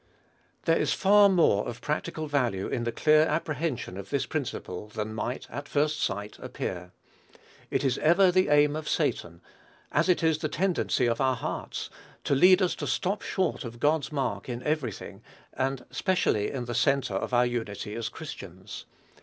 There is far more of practical value in the clear apprehension of this principle than might, at first sight, appear. It is ever the aim of Satan, as it is the tendency of our hearts, to lead us to stop short of God's mark in every thing, and specially in the centre of our unity as Christians.